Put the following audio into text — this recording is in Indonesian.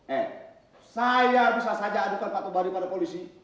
eh saya bisa saja adukan pak tobari pada polisi